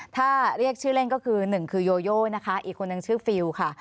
ถ้าเรียกชื่อเล่นก็คือหนึ่งคือโยโยนะคะอีกคนนึงชื่อฟิลค่ะ